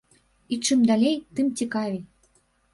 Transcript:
І чым далей, тым цікавей.